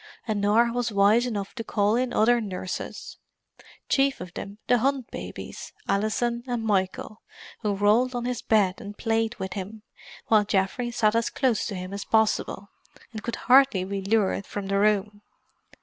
And Norah was wise enough to call in other nurses: chief of them the Hunt babies, Alison and Michael, who rolled on his bed and played with him, while Geoffrey sat as close to him as possible, and could hardly be lured from the room.